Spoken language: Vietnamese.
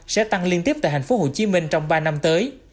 sẽ tăng liên tiếp tại hồ chí minh trong ba năm tới